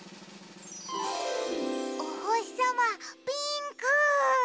おほしさまピンク！